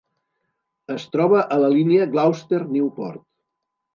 Es troba a la línia Gloucester-Newport.